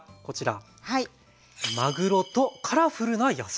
まぐろとカラフルな野菜。